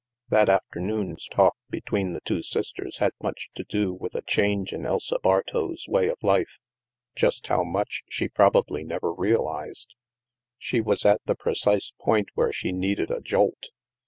That afternoon's talk between the two sisters had much to do with a change in Elsa Bartow's way of life; just how much, she herself probably never realized. She was at the precise point where she needed a jolt.